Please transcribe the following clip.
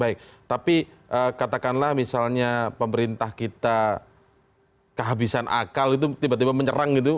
baik tapi katakanlah misalnya pemerintah kita kehabisan akal itu tiba tiba menyerang gitu